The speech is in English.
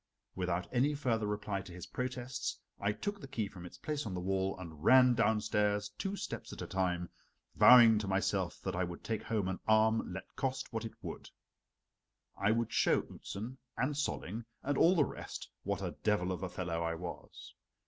Without any further reply to his protests I took the key from its place on the wall and ran downstairs two steps at a time, vowing to myself that I would take home an arm let cost what it would. I would show Outzen, and Solling, and all the rest, what a devil of a fellow I was.